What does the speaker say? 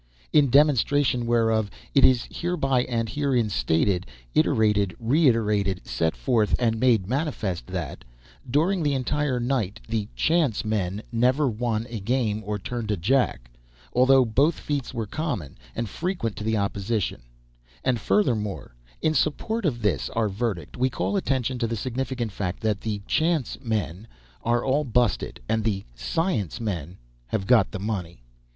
In demonstration whereof it is hereby and herein stated, iterated, reiterated, set forth, and made manifest that, during the entire night, the "chance" men never won a game or turned a jack, although both feats were common and frequent to the opposition; and furthermore, in support of this our verdict, we call attention to the significant fact that the "chance" men are all busted, and the "science" men have got the money.